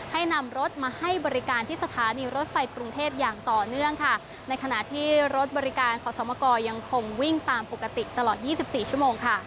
ให้นำรถมาให้บริการที่สถานีรถไฟกรุงเทพอย่างต่อเนื่องค่ะในขณะที่รถบริการขอสมกรยังคงวิ่งตามปกติตลอดยี่สิบสี่ชั่วโมงค่ะ